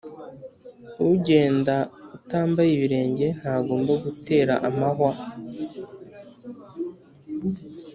ugenda utambaye ibirenge ntagomba gutera amahwa.